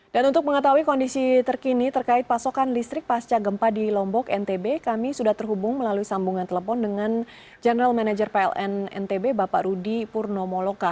dan untuk mengetahui kondisi terkini terkait pasokan listrik pasca gempa di lombok ntb kami sudah terhubung melalui sambungan telepon dengan general manager pln ntb bapak rudy purnomoloka